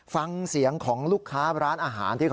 ฟังเสียงของลูกค้าร้านอาหารที่เขา